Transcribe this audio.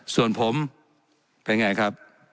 ส่วนผมเป็นอย่างไรครับ